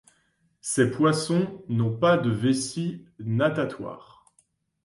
Ces poissons n'ont pas de vessie natatoire.